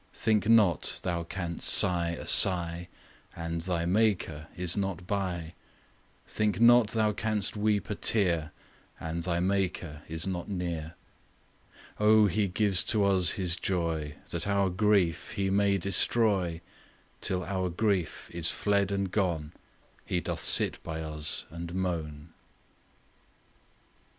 Think not thou canst sigh a sigh, And thy Maker is not by; Think not thou canst weep a tear, And thy Maker is not near. O! He gives to us His joy That our grief He may destroy; Till our grief is fled and gone He doth sit by us and moan.